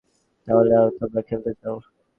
তাহলে তোমরা খেলতে চাও?